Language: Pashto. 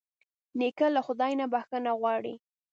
نیکه له خدای نه بښنه غواړي.